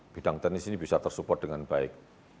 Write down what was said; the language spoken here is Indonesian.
bidang teknis ini bisa tersupport dengan baik